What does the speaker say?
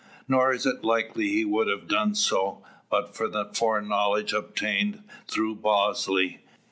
Nor is it likely he would have done so, but for the foreknowledge obtained through Bosley.